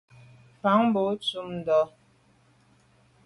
Mfan bon tshob ntùm ndà.